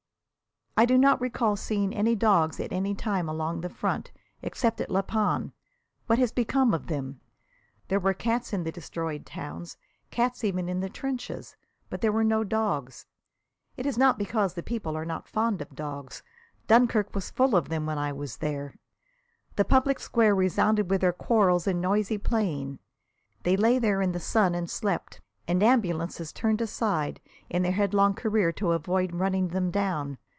I do not recall seeing any dogs at any time along the front, except at La Panne. What has become of them? There were cats in the destroyed towns, cats even in the trenches. But there were no dogs. It is not because the people are not fond of dogs. Dunkirk was full of them when I was there. The public square resounded with their quarrels and noisy playing. They lay there in the sun and slept, and ambulances turned aside in their headlong career to avoid running them down.